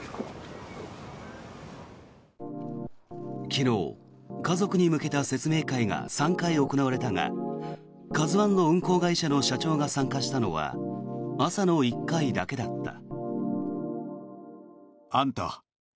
昨日、家族に向けた説明会が３回行われたが「ＫＡＺＵ１」の運航会社の社長が参加したのは朝の１回だけだった。